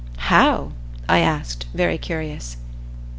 "How?" I asked, very curious.